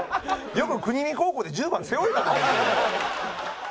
よく国見高校で１０番背負えた。